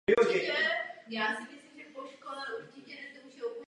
Kostelní zvony byly v první i druhé světové válce rekvírovány ve prospěch armády.